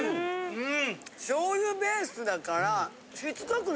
うん。